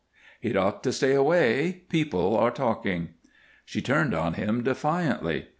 "He'd ought to stay away; people are talking." She turned on him defiantly.